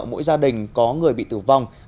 mỗi gia đình có người bị tử vong